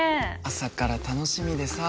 朝から楽しみでさ。